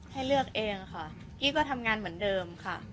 ให้เลือกเองค่ะกี้ก็ทำงานเหมือนเดิมค่ะ